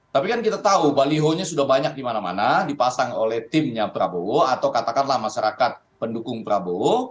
tapi kan kita tahu balihonya sudah banyak dimana mana dipasang oleh timnya prabowo atau katakanlah masyarakat pendukung prabowo